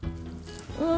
うん。